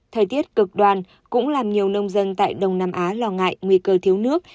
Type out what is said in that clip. thời tiết cực đoan cũng làm nhiều nông dân tại đông nam á lo ngại nguy cơ thiếu nước